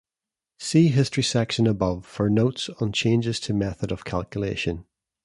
See History section above for notes on changes to method of calculation.